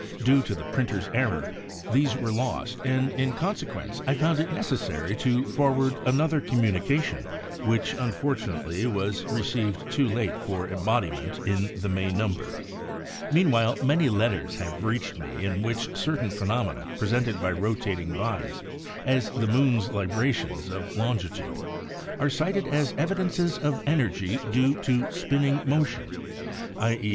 Due to the printer's error these were lost and, in con sequence, I found it necessary to forward another communication which, unfortunate ly, was received too late for embodiment in the May number. Meanwhile many letters have reached me in which certain phe nomena presented by rotating bodies, as the moon's librations of longitude, are cited as evidences of energy due to spinning motion, i. e.